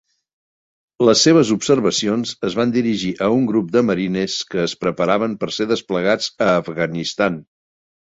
"Les seves observacions es van dirigir a un grup de marines que es preparaven per ser desplegats a Afganistan."